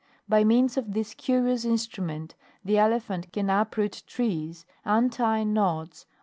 By means of this curious instrument, the Elephant can uproot trees, untie knots, 16.